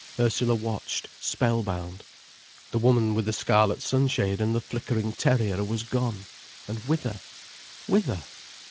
Ursula watched spell bound. The woman with the scarlet sunshade and the flickering terrier was gone—and whither? Whither?